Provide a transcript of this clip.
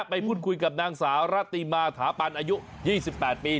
ไปพูดคุยกับนางสาวรัติมาถาปันอายุ๒๘ปี